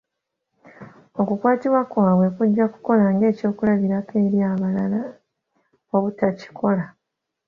OKukwatibwa kwabwe kujja kukola nga eky'okulabirako eri abalala obutakikola.